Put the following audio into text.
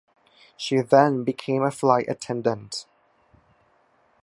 She then became a flight attendant.